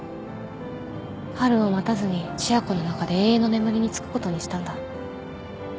春を待たずに千夜子の中で永遠の眠りにつくことにしたんだ。